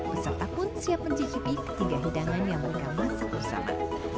peserta pun siap mencicipi ketiga hidangan yang mereka masak bersama